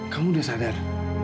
kamu udah sadar